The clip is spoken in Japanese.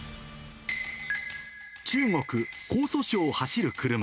中国・江蘇省を走る車。